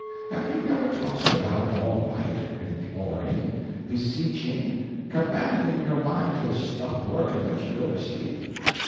Have you never tossed about all night, imploring, beseeching, commanding your mind to stop work and let you go to sleep?